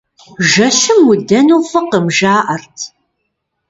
Жэщым удэну фӀыкъым, жаӀэрт.